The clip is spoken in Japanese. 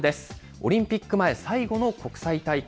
オリンピック前最後の国際大会。